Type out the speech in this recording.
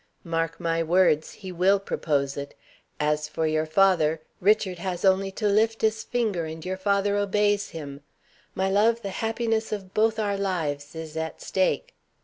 "Mark my words, he will propose it. As for your father, Richard has only to lift his finger and your father obeys him. My love, the happiness of both our lives is at stake."